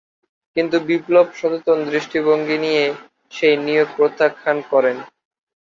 কিন্তু বিপ্লব-সচেতন দৃষ্টিভঙ্গি নিয়ে সেই নিয়োগ প্রত্যাখ্যান করেন।